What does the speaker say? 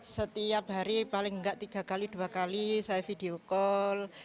setiap hari paling tidak tiga kali dua kali saya video call